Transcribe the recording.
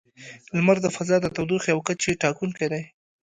• لمر د فضا د تودوخې او کچې ټاکونکی دی.